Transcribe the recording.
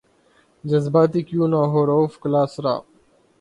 جذباتی کیوں نہ ہوں رؤف کلاسرا